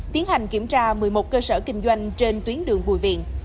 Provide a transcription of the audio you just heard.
tiến hành kiểm tra một mươi một cơ sở kinh doanh trên tuyến đường bùi viện